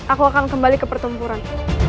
aku akan kembali ke pertempuran